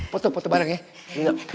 foto foto bareng ya